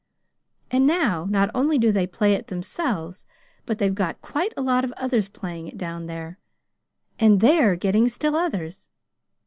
And now not only do they play it themselves, but they've got quite a lot of others playing it down there, and THEY'RE getting still others.